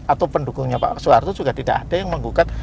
atau pendukungnya pak soeharto juga tidak ada yang menggugat